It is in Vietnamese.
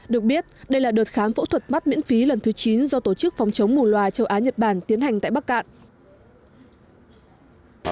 được biết đây là đợt khám phẫu thuật mắt miễn phí lần thứ chín do tổ chức phòng chống mù loà châu á nhật bản tiến hành tại bắc cạn